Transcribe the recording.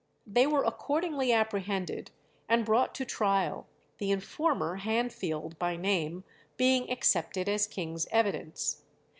They were accordingly apprehended and brought to trial, the informer, Hanfield by name, being accepted as king's evidence.